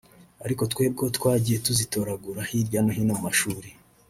Ariko twebwe twagiye tuzitoragura hirya no hino mu mashuri